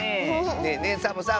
ねえねえサボさん